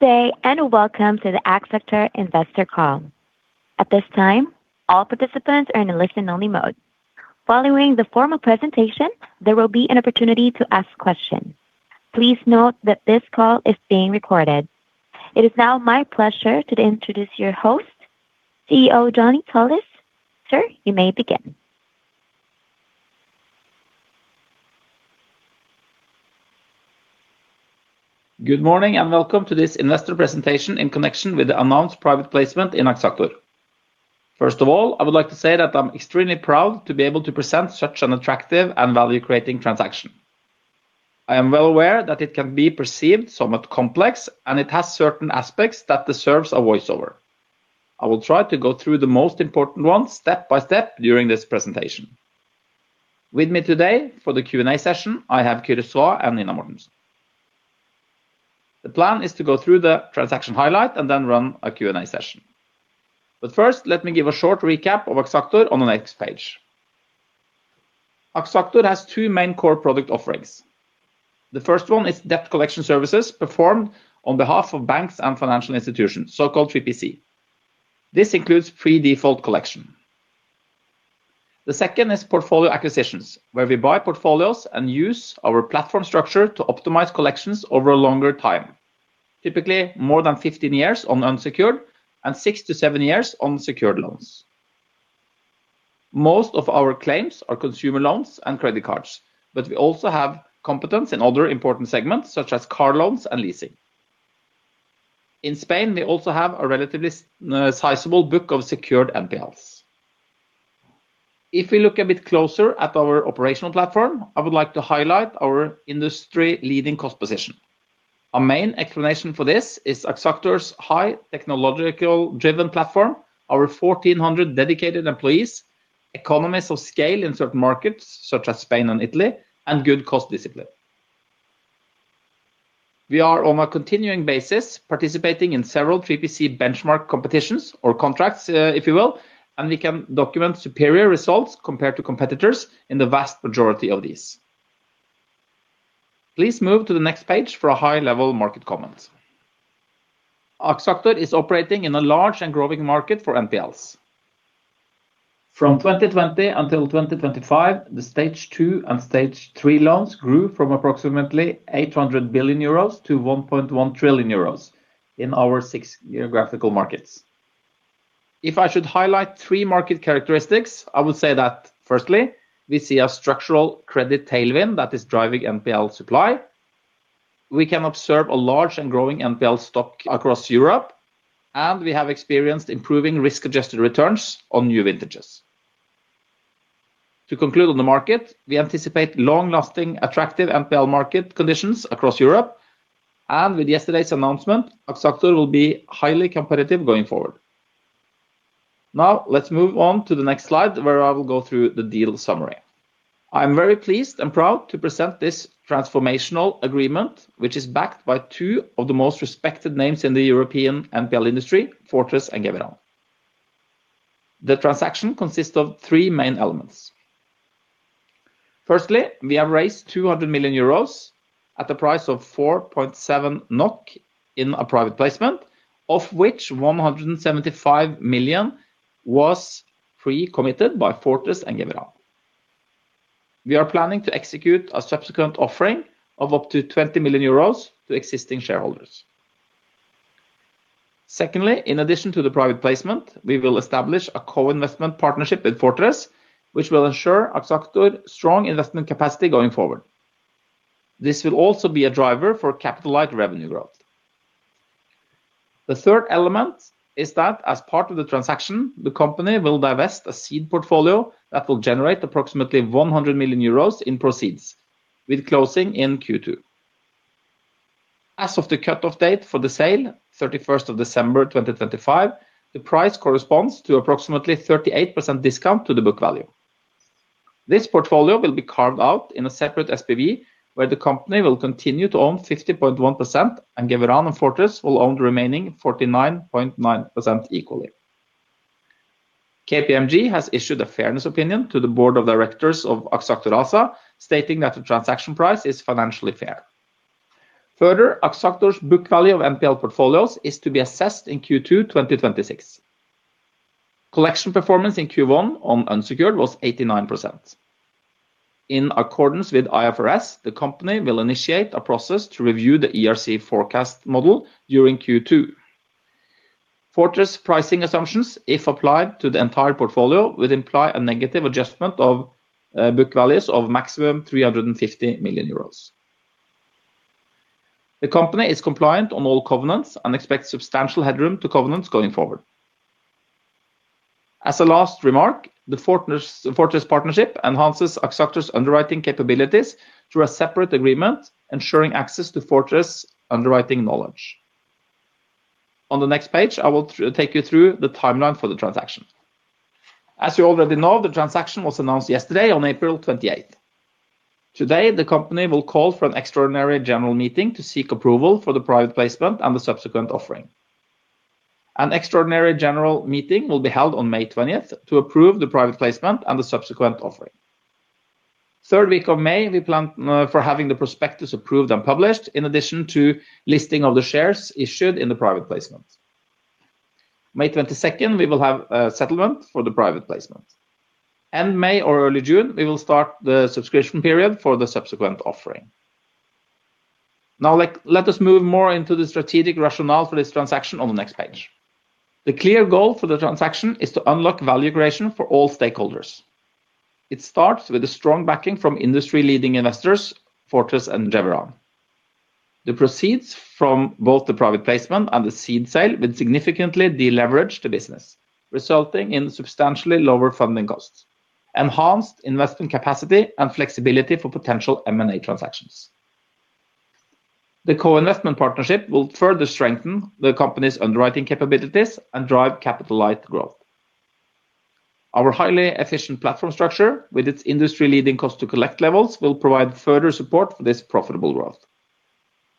Good day and welcome to the Axactor Investor Call. At this time, all participants are in a listen-only mode. Following the formal presentation, there will be an opportunity to ask questions. Please note that this call is being recorded. It is now my pleasure to introduce your host, CEO Johnny Tsolis. Sir, you may begin. Good morning, welcome to this investor presentation in connection with the announced private placement in Axactor. First of all, I would like to say that I'm extremely proud to be able to present such an attractive and value-creating transaction. I am well aware that it can be perceived somewhat complex, and it has certain aspects that deserves a voiceover. I will try to go through the most important ones step by step during this presentation. With me today for the Q&A session, I have Kyrre Svae and Nina Mortensen. The plan is to go through the transaction highlight and then run a Q&A session. First, let me give a short recap of Axactor on the next page. Axactor has two main core product offerings. The first one is debt collection services performed on behalf of banks and financial institutions, so-called 3PC. This includes pre-default collection. The second is portfolio acquisitions, where we buy portfolios and use our platform structure to optimize collections over a longer time, typically more than 15 years on unsecured and six to seven years on secured loans. Most of our claims are consumer loans and credit cards, but we also have competence in other important segments such as car loans and leasing. In Spain, we also have a relatively sizable book of secured NPLs. If we look a bit closer at our operational platform, I would like to highlight our industry leading cost position. Our main explanation for this is Axactor's high technological driven platform, our 1,400 dedicated employees, economies of scale in certain markets such as Spain and Italy, and good cost discipline. We are on a continuing basis participating in several 3PC benchmark competitions or contracts, if you will. We can document superior results compared to competitors in the vast majority of these. Please move to the next page for a high level market comment. Axactor is operating in a large and growing market for NPLs. From 2020 until 2025, the Stage 2 and Stage 3 loans grew from approximately 800 billion euros to 1.1 trillion euros in our six geographical markets. If I should highlight three market characteristics, I would say that firstly, we see a structural credit tailwind that is driving NPL supply. We can observe a large and growing NPL stock across Europe. We have experienced improving risk-adjusted returns on new vintages. To conclude on the market, we anticipate long-lasting, attractive NPL market conditions across Europe. With yesterday's announcement, Axactor will be highly competitive going forward. Let's move on to the next slide where I will go through the deal summary. I am very pleased and proud to present this transformational agreement, which is backed by two of the most respected names in the European NPL industry, Fortress and Geveran. The transaction consists of three main elements. Firstly, we have raised 200 million euros at the price of 4.7 NOK in a private placement, of which 175 million was pre-committed by Fortress and Geveran. We are planning to execute a subsequent offering of up to 20 million euros to existing shareholders. Secondly, in addition to the private placement, we will establish a co-investment partnership with Fortress, which will ensure Axactor strong investment capacity going forward. This will also be a driver for capital-light revenue growth. The third element is that as part of the transaction, the company will divest a seed portfolio that will generate approximately 100 million euros in proceeds with closing in Q2. As of the cutoff date for the sale, December 31, 2025, the price corresponds to approximately 38% discount to the book value. This portfolio will be carved out in a separate SPV, where the company will continue to own 50.1% and Geveran and Fortress will own the remaining 49.9% equally. KPMG has issued a fairness opinion to the board of directors of Axactor ASA, stating that the transaction price is financially fair. Further, Axactor's book value of NPL portfolios is to be assessed in Q2 2026. Collection performance in Q1 on unsecured was 89%. In accordance with IFRS, the company will initiate a process to review the ERC forecast model during Q2. Fortress pricing assumptions, if applied to the entire portfolio, would imply a negative adjustment of book values of maximum 350 million euros. The company is compliant on all covenants and expects substantial headroom to covenants going forward. As a last remark, the Fortress partnership enhances Axactor's underwriting capabilities through a separate agreement ensuring access to Fortress underwriting knowledge. On the next page, I will take you through the timeline for the transaction. As you already know, the transaction was announced yesterday on April 28. Today, the company will call for an extraordinary general meeting to seek approval for the private placement and the subsequent offering. An extraordinary general meeting will be held on May 20th to approve the private placement and the subsequent offering. Third week of May, we plan for having the prospectus approved and published in addition to listing of the shares issued in the private placement. May 22nd, we will have a settlement for the private placement. End May or early June, we will start the subscription period for the subsequent offering. Let us move more into the strategic rationale for this transaction on the next page. The clear goal for the transaction is to unlock value creation for all stakeholders. It starts with a strong backing from industry leading investors, Fortress and Geveran. The proceeds from both the private placement and the seed sale will significantly deleverage the business, resulting in substantially lower funding costs, enhanced investment capacity and flexibility for potential M&A transactions. The co-investment partnership will further strengthen the company's underwriting capabilities and drive capital light growth. Our highly efficient platform structure with its industry-leading cost to collect levels will provide further support for this profitable growth.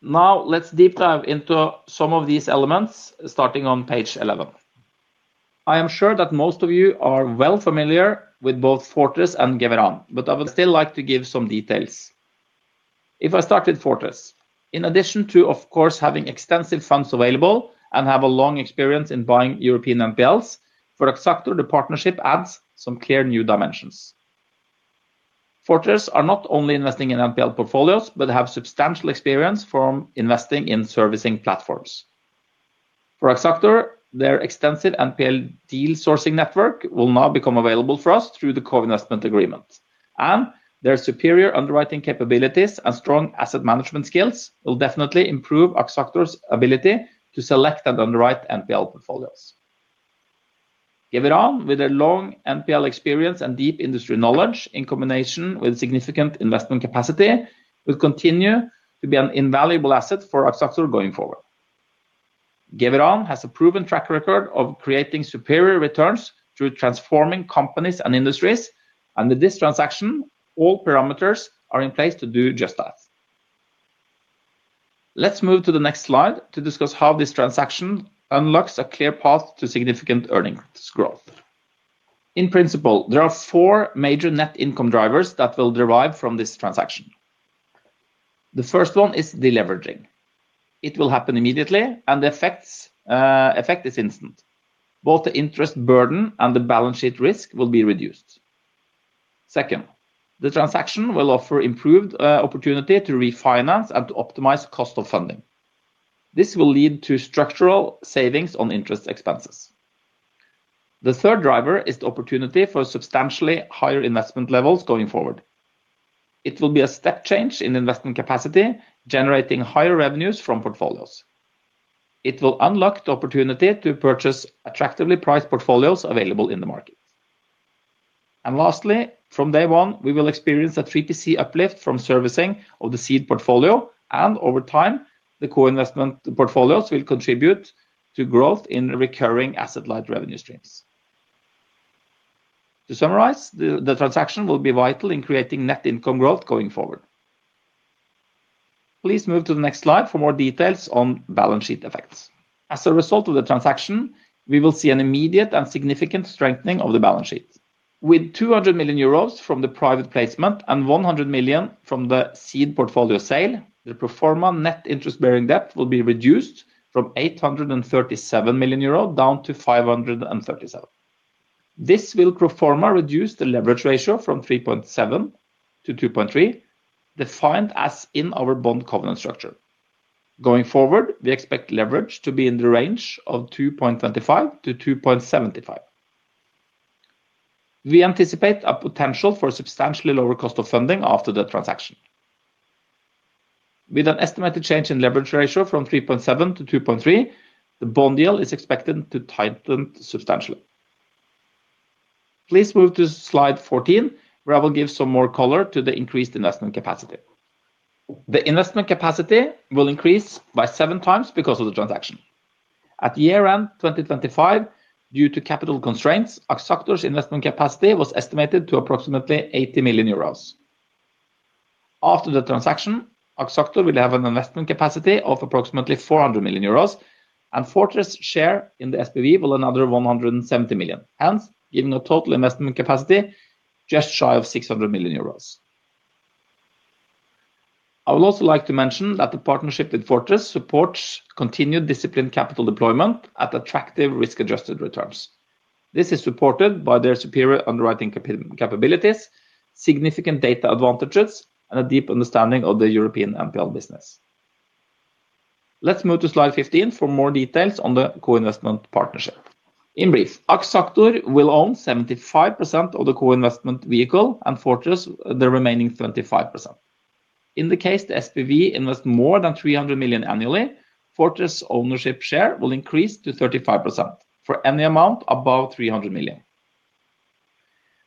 Now let's deep dive into some of these elements starting on page 11. I am sure that most of you are well familiar with both Fortress and Geveran, but I would still like to give some details. If I start with Fortress. In addition to of course, having extensive funds available and have a long experience in buying European NPLs, for Axactor the partnership adds some clear new dimensions. Fortress are not only investing in NPL portfolios, but have substantial experience from investing in servicing platforms. For Axactor, their extensive NPL deal sourcing network will now become available for us through the co-investment agreement. Their superior underwriting capabilities and strong asset management skills will definitely improve Axactor's ability to select and underwrite NPL portfolios. Geveran with their long NPL experience and deep industry knowledge in combination with significant investment capacity will continue to be an invaluable asset for Axactor going forward. Geveran has a proven track record of creating superior returns through transforming companies and industries, and with this transaction, all parameters are in place to do just that. Let's move to the next slide to discuss how this transaction unlocks a clear path to significant earnings growth. In principle, there are four major net income drivers that will derive from this transaction. The first one is deleveraging. It will happen immediately and the effect is instant. Both the interest burden and the balance sheet risk will be reduced. Second, the transaction will offer improved opportunity to refinance and to optimize cost of funding. This will lead to structural savings on interest expenses. The third driver is the opportunity for substantially higher investment levels going forward. It will be a step change in investment capacity, generating higher revenues from portfolios. It will unlock the opportunity to purchase attractively priced portfolios available in the market. Lastly, from day one, we will experience a 3PC uplift from servicing of the seed portfolio, and over time, the co-investment portfolios will contribute to growth in recurring asset light revenue streams. To summarize, the transaction will be vital in creating net income growth going forward. Please move to the next slide for more details on balance sheet effects. As a result of the transaction, we will see an immediate and significant strengthening of the balance sheet. With 200 million euros from the private placement and 100 million from the seed portfolio sale, the pro forma net interest-bearing debt will be reduced from 837 million euro, down to 537 million. This will pro forma reduce the leverage ratio from 3.7 to 2.3, defined as in our bond covenant structure. Going forward, we expect leverage to be in the range of 2.25 to 2.75. We anticipate a potential for substantially lower cost of funding after the transaction. With an estimated change in leverage ratio from 3.7 to 2.3, the bond deal is expected to tighten substantially. Please move to slide 14, where I will give some more color to the increased investment capacity. The investment capacity will increase by 7x because of the transaction. At year-end 2025, due to capital constraints, Axactor's investment capacity was estimated to approximately 80 million euros. After the transaction, Axactor will have an investment capacity of approximately 400 million euros and Fortress share in the SPV will another 170 million, hence giving a total investment capacity just shy of 600 million euros. I would also like to mention that the partnership with Fortress supports continued disciplined capital deployment at attractive risk-adjusted returns. This is supported by their superior underwriting capabilities, significant data advantages, and a deep understanding of the European NPL business. Let's move to slide 15 for more details on the co-investment partnership. In brief, Axactor will own 75% of the co-investment vehicle and Fortress the remaining 25%. In the case the SPV invests more than 300 million annually, Fortress ownership share will increase to 35% for any amount above 300 million.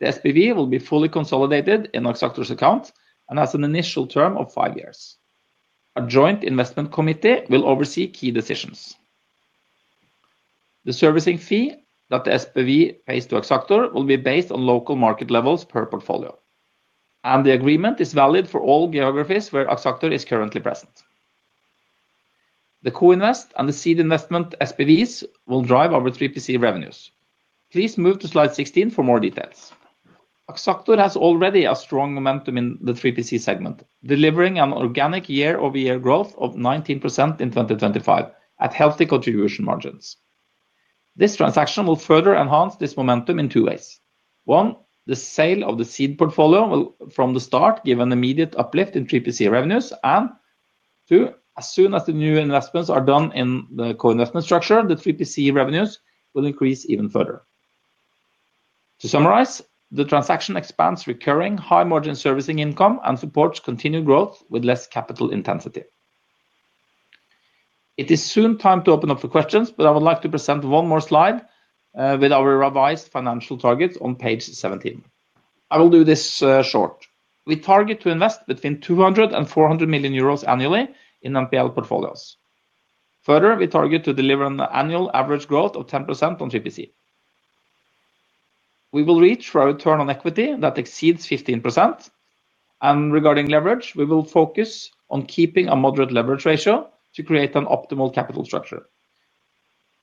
The SPV will be fully consolidated in Axactor's account and has an initial term of five years. A joint investment committee will oversee key decisions. The servicing fee that the SPV pays to Axactor will be based on local market levels per portfolio. The agreement is valid for all geographies where Axactor is currently present. The co-invest and the seed investment SPVs will drive our 3PC revenues. Please move to slide 16 for more details. Axactor has already a strong momentum in the 3PC segment, delivering an organic year-over-year growth of 19% in 2025 at healthy contribution margins. This transaction will further enhance this momentum in two ways. One, the sale of the seed portfolio will from the start give an immediate uplift in 3PC revenues and, two, as soon as the new investments are done in the co-investment structure, the 3PC revenues will increase even further. To summarize, the transaction expands recurring high margin servicing income and supports continued growth with less capital intensity. It is soon time to open up for questions. I would like to present one more slide with our revised financial targets on page 17. I will do this short. We target to invest between 200 million-400 million euros annually in NPL portfolios. We target to deliver an annual average growth of 10% on 3PC. We will reach return on equity that exceeds 15%. Regarding leverage, we will focus on keeping a moderate leverage ratio to create an an optimal capital structure.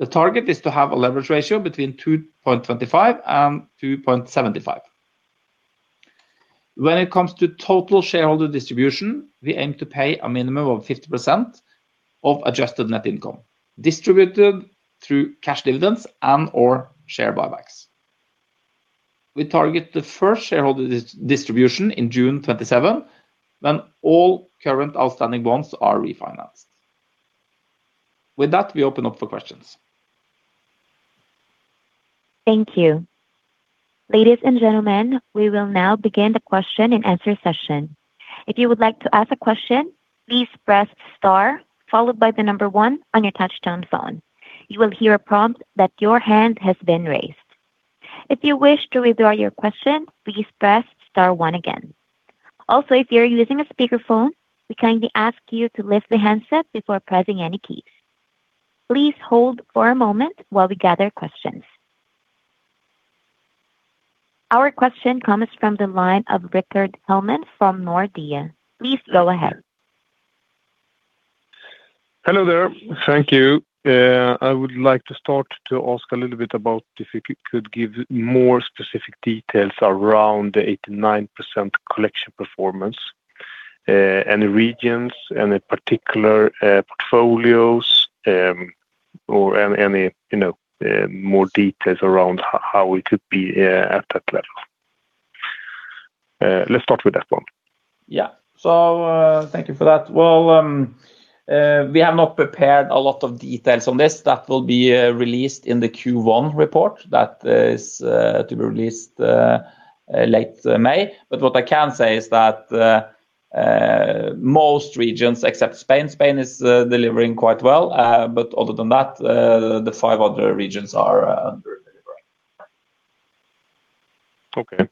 The target is to have a leverage ratio between 2.25 and 2.75. When it comes to total shareholder distribution, we aim to pay a minimum of 50% of adjusted net income distributed through cash dividends and/or share buybacks. We target the first shareholder distribution in June 2027 when all current outstanding bonds are refinanced. With that, we open up for questions. Thank you. Ladies and gentlemen, we will now begin the question and answer session. If you would like to ask a question, please press star one on your touchtone phone. You will hear a prompt that your hand has been raised. If you wish to withdraw your question, please press star one again. Also, if you're using a speakerphone, we kindly ask you to lift the handset before pressing any keys. Please hold for a moment while we gather questions. Our question comes from the line of Rikard Hellman from Nordea. Please go ahead. Hello there. Thank you. I would like to start to ask a little bit about if you could give more specific details around the 89% collection performance, any regions, any particular portfolios, or any, you know, more details around how it could be at that level. Let's start with that one. Yeah. Thank you for that. Well, we have not prepared a lot of details on this. That will be released in the Q1 report that is to be released late May. What I can say is that most regions except Spain is delivering quite well. Other than that, the five other regions are under delivering. Okay.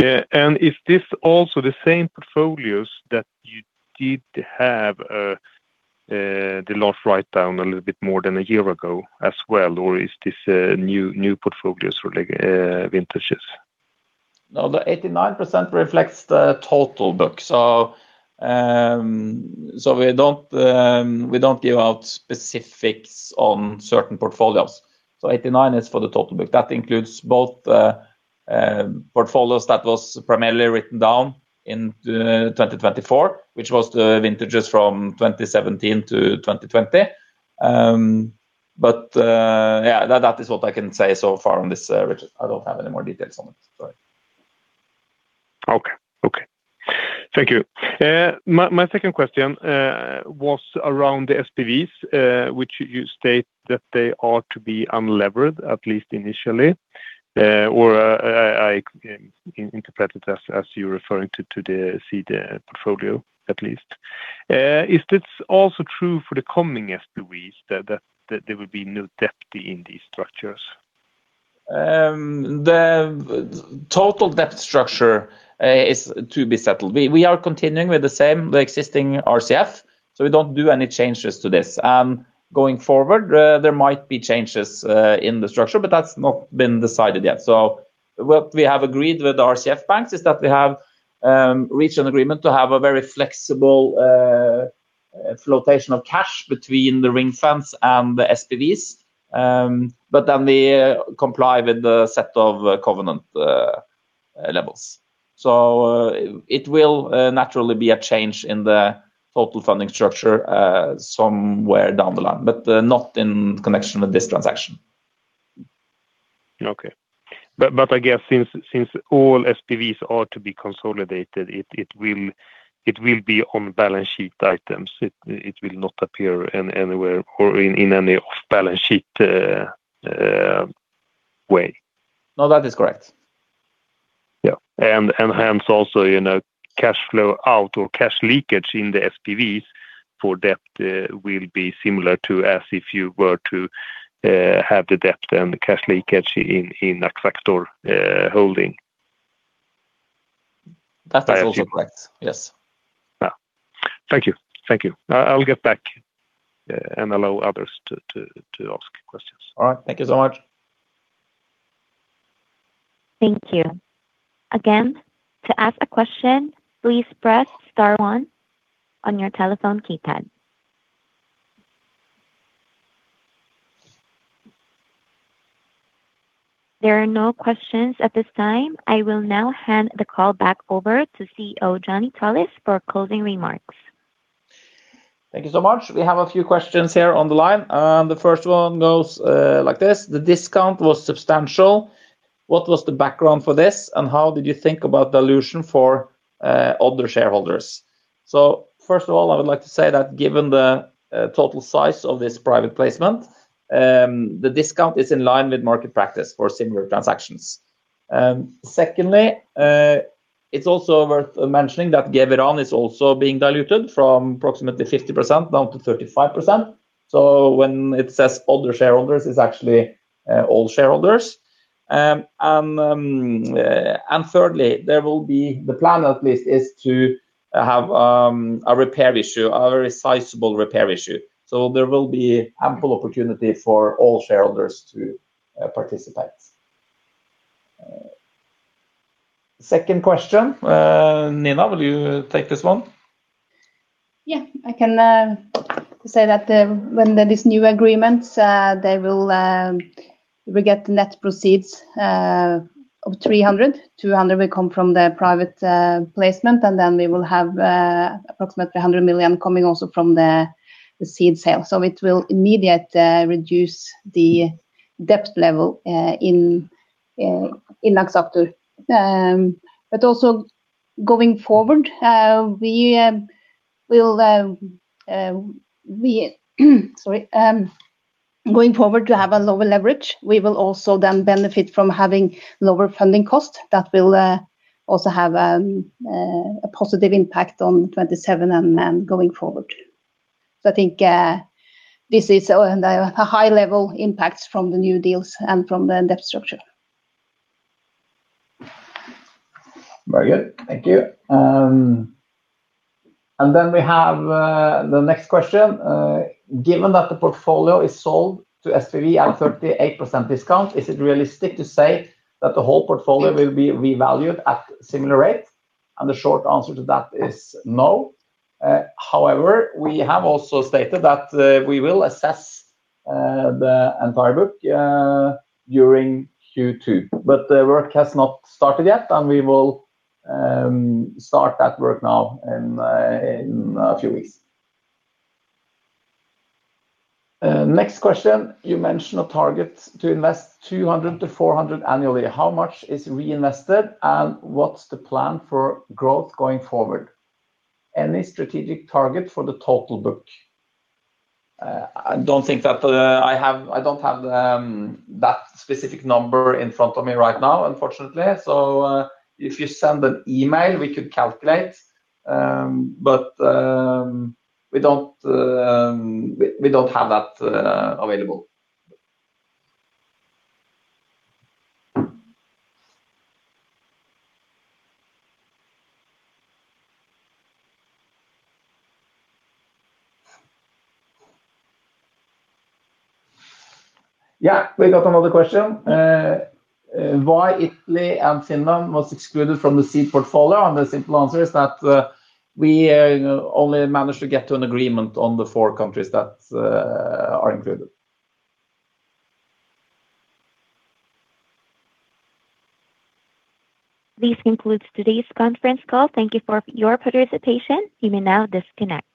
Yeah, is this also the same portfolios that you did have the loss write-down a little bit more than a year ago as well, or is this new portfolios or like vintages? The 89% reflects the total book. We don't give out specifics on certain portfolios. 89 is for the total book. That includes both portfolios that was primarily written down in 2024, which was the vintages from 2017 to 2020. Yeah, that is what I can say so far on this, which I don't have any more details on it. Sorry. Okay. Okay. Thank you. My second question was around the SPVs, which you state that they are to be unlevered, at least initially. I interpret it as you're referring to the seed portfolio, at least. Is this also true for the coming SPVs that there will be no debt in these structures? The total debt structure is to be settled. We are continuing with the same, the existing RCF, so we don't do any changes to this. Going forward, there might be changes in the structure, but that's not been decided yet. What we have agreed with the RCF banks is that we have reached an agreement to have a very flexible flotation of cash between the ring-fence and the SPVs. They comply with the set of covenant levels. It will naturally be a change in the total funding structure somewhere down the line, but not in connection with this transaction. Okay. I guess since all SPVs are to be consolidated, it will be on balance sheet items. It will not appear anywhere or in any off-balance sheet way. No, that is correct. Yeah. Hence also, you know, cash flow out or cash leakage in the SPVs for debt will be similar to as if you were to have the debt and the cash leakage in Axactor holding. That is also correct. Yes. Yeah. Thank you. Thank you. I'll get back and allow others to ask questions. All right. Thank you so much. Thank you. To ask a question, please press star one on your telephone keypad. There are no questions at this time. I will now hand the call back over to CEO Johnny Tsolis for closing remarks. Thank you so much. We have a few questions here on the line. The first one goes like this. The discount was substantial. What was the background for this, how did you think about dilution for other shareholders? First of all, I would like to say that given the total size of this private placement, the discount is in line with market practice for similar transactions. Secondly, it's also worth mentioning that Geveran is also being diluted from approximately 50% down to 35%. When it says older shareholders, it's actually all shareholders. Thirdly, the plan at least is to have a repair issue, a very sizable repair issue. There will be ample opportunity for all shareholders to participate. Second question, Nina, will you take this one? Yeah, I can say that when there is new agreements, they will, we get net proceeds of 300 million. 200 million will come from the private placement, and we will have approximately 100 million coming also from the seed sale. It will immediate reduce the debt level in Axactor. Also going forward to have a lower leverage, we will also then benefit from having lower funding costs. That will also have a positive impact on 2027 and then going forward. I think this is a high level impact from the new deals and from the debt structure. Very good. Thank you. We have the next question. Given that the portfolio is sold to SPV at 38% discount, is it realistic to say that the whole portfolio will be revalued at similar rate? The short answer to that is no. We have also stated that we will assess the entire book during Q2. The work has not started yet. We will start that work now in a few weeks. Next question. You mentioned a target to invest 200 million-400 million annually. How much is reinvested, and what's the plan for growth going forward? Any strategic target for the total book? I don't think that I don't have that specific number in front of me right now, unfortunately. If you send an email, we could calculate. We don't have that available. We got another question. Why Italy and Finland was excluded from the seed portfolio? The simple answer is that we only managed to get to an agreement on the four countries that are included. This concludes today's conference call. Thank you for your participation. You may now disconnect.